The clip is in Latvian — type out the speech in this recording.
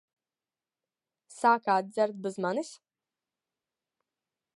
Sākāt dzert bez manis?